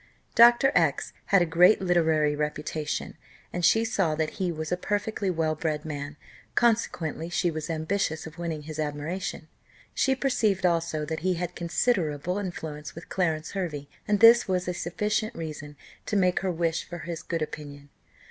Dr. X had a great literary reputation, and she saw that he was a perfectly well bred man; consequently she was ambitious of winning his admiration. She perceived also that he had considerable influence with Clarence Hervey, and this was a sufficient reason to make her wish for his good opinion.